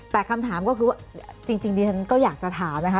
แต่คำถามก็คือว่าจริงดิฉันก็อยากจะถามนะคะ